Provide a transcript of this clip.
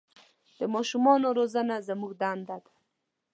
د ماشومان روزنه زموږ دنده ده.